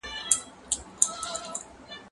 زه له سهاره د کتابتون لپاره کار کوم!.